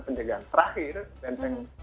penjagaan terakhir dan yang